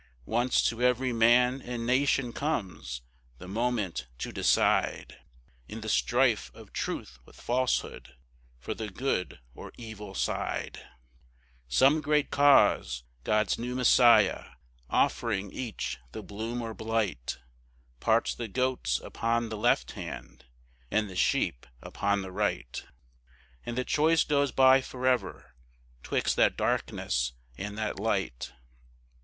Once to every man and nation comes the moment to decide, In the strife of Truth with Falsehood, for the good or evil side; Some great cause, God's new Messiah, offering each the bloom or blight, Parts the goats upon the left hand, and the sheep upon the right, And the choice goes by forever 'twixt that darkness and that light.